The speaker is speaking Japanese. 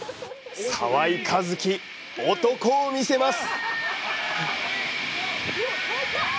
澤井一希、男を見せます！